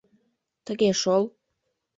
— Тыге шол...